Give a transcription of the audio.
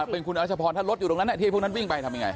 เป็นคุณรัชพรถ้ารถอยู่ตรงนั้นที่พวกนั้นวิ่งไปทำยังไง